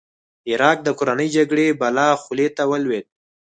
عراق د کورنۍ جګړې بلا خولې ته ولوېد.